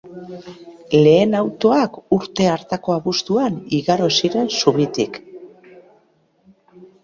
Lehen autoak urte hartako abuztuan igaro ziren zubitik.